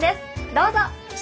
どうぞ！